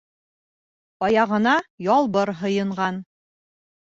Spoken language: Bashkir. Аяғына Ялбыр һыйынған.